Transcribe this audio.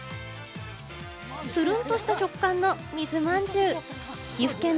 つるんとした食感の水まんじゅう。